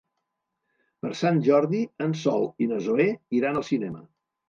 Per Sant Jordi en Sol i na Zoè iran al cinema.